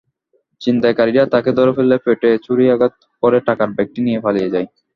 ছিনতাইকারীরা তাঁকে ধরে ফেলে পেটে ছুরিকাঘাত করে টাকার ব্যাগটি নিয়ে পালিয়ে যায়।